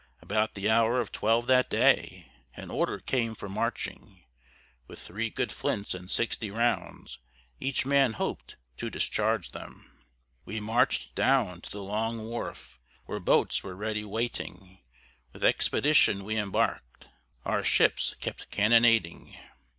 About the hour of twelve that day, An order came for marching, With three good flints and sixty rounds, Each man hoped to discharge them. We marchèd down to the Long Wharf, Where boats were ready waiting; With expedition we embark'd, Our ships kept cannonading.